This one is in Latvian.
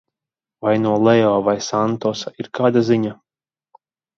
Vai no Leo vai Santosa ir kāda ziņa?